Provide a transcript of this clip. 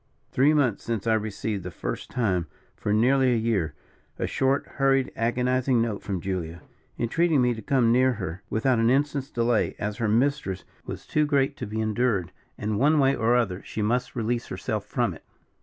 Three months since I received, the first time for nearly a year, a short, hurried, agonizing note from Julia, entreating me to come near her, without an instant's delay, as her mistress was too great to be endured, and one way or other she must release herself from it.